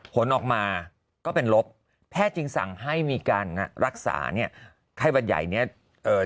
ผลออกมาก็เป็นลบแพทย์จึงสั่งให้มีการรักษาไข้หวัดใหญ่นี้